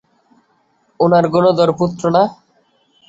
উনার গুণধর পুত্র না?